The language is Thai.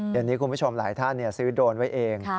เดี๋ยวนี้คุณผู้ชมหลายท่านซื้อโดรนไว้เอง